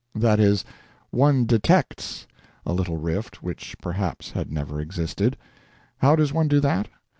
That is, "one detects" a little rift which perhaps had never existed. How does one do that?